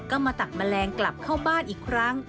ก็มาตักแมลงกลับเข้าบ้านอีกครั้ง